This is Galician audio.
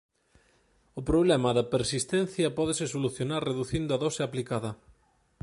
O problema da persistencia pódese solucionar reducindo a dose aplicada.